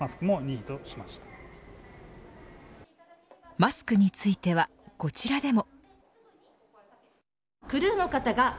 マスクについてはこちらでも。